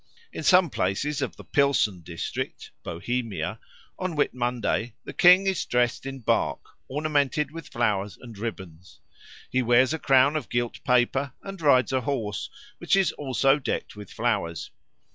In some places of the Pilsen district (Bohemia) on Whit Monday the King is dressed in bark, ornamented with flowers and ribbons; he wears a crown of gilt paper and rides a horse, which is also decked with flowers.